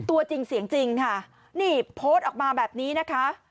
ตัวจริงเสียงจริงค่ะนี่โพสต์ออกมาแบบนี้นะคะ